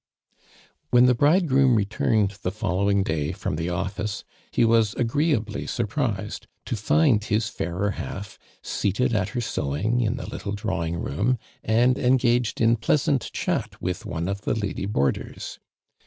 When the bridegroom returned the fol lowing day from the office, he was agree ably surprised to find his fairer half, seated at her sowing in the little drawing room and engaged in pleasant chat with one of the lady boardei s.